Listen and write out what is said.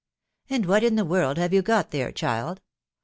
" And what in the world have you got there, child